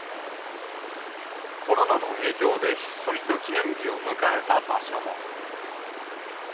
コロナの影響で、ひっそりと記念日を迎えた場所も。